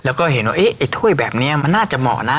แล้วก็เห็นว่าไอ้ถ้วยแบบนี้มันน่าจะเหมาะนะ